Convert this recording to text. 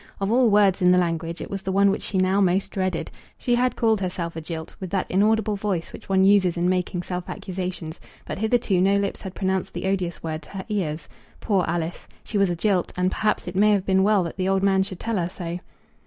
Of all words in the language it was the one which she now most dreaded. She had called herself a jilt, with that inaudible voice which one uses in making self accusations; but hitherto no lips had pronounced the odious word to her ears. Poor Alice! She was a jilt; and perhaps it may have been well that the old man should tell her so.